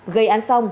gây án xong